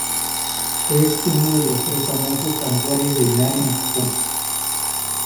Es uno de los tres famosos santuarios de Inari en Japón.